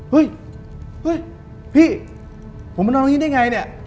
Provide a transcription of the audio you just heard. เฮ้ยเฮ้ยพี่ผมมานอนอย่างนี้ได้ไงเนี่ย